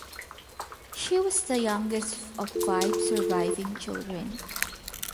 She was the youngest of five surviving children.